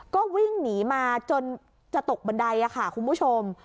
ก็วิ่งหนีมาจนจะตกบันไดค่ะคุณผู้ชม